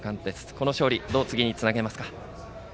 この勝利をどう次につなげますか。